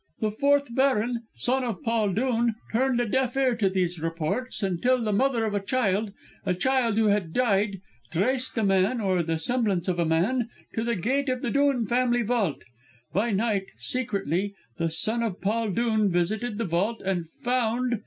The fourth baron son of Paul Dhoon turned a deaf ear to these reports, until the mother of a child a child who had died traced a man, or the semblance of a man, to the gate of the Dhoon family vault. By night, secretly, the son of Paul Dhoon visited the vault, and found....